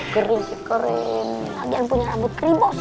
keris keris lagi yang punya rambut keribuk sih